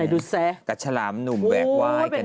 ไหนดูแซะกับฉลามหนุ่มแบลกไวด์กันนะครับ